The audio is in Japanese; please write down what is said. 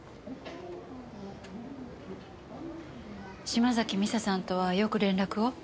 島崎未紗さんとはよく連絡を？